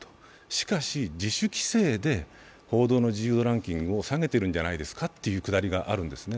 しかし自主規制で報道の自由度ランキングを下げているんじゃないですかという記載があるんですね。